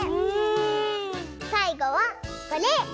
さいごはこれ。